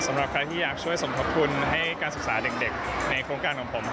สำหรับใครที่อยากช่วยสมทบทุนให้การศึกษาเด็กในโครงการของผม